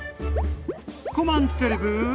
コマンタレブー？